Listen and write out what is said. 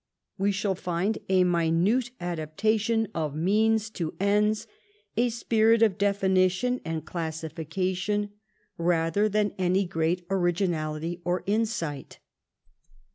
We shall find a minute adaptation of means to ends, a spirit of definition and classification rather than any great vii EDWARD'S LEGISLATION 123 originality or insight.